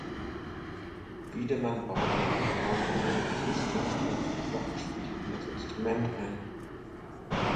Wiedemann baute noch neun neue Register und ein Glockenspiel in das Instrument ein.